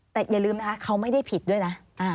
แต่อย่าลืมนะคะเขาไม่ได้ผิดด้วยนะ